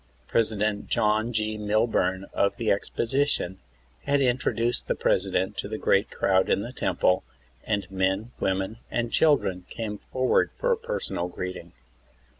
President John G. Milburn of the Exposition had intro duced the President to the great crowd in the Temple, and men, w^omen and children came forward for a personal greeting.